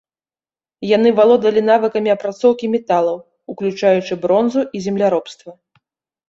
Яны валодалі навыкамі апрацоўкі металаў, уключаючы бронзу, і земляробства.